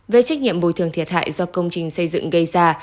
về trách nhiệm bồi thường thiệt hại do công trình xây dựng gây ra